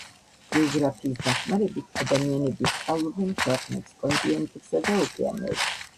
გეოგრაფიის დახმარებით ადამიანები სწავლობენ ქვეყნებს, კონტინენტებსა და ოკეანეებს.